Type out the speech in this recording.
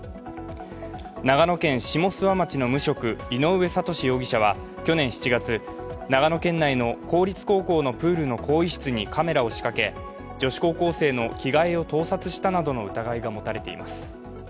長野県下諏訪町の無職井上悟志容疑者は去年７月、長野県内の公立高校のプールの更衣室にカメラを仕掛け、女子高校生の着替えを盗撮したなどの疑いが持たれています。